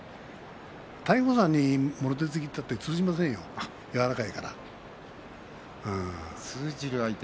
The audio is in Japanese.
大鵬さんに、もろ手突き通じませんよ、柔らかいから。